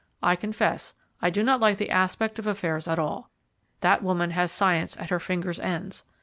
I confess I do not like the aspect of affairs at all. That woman has science at her fingers' ends.